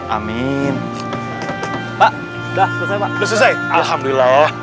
amin pak alhamdulillah ya